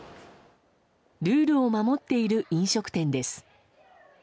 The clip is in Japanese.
ルールを守っている飲食店です。